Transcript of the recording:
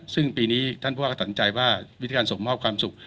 ซึ่งปีนี้ท่านบุหร่าหนักใจว่าวิธีการสมภาพความสุข